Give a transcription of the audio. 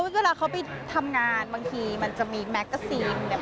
เวลาเขาไปทำงานบางทีมันจะมีแมกกาซีนเนี่ย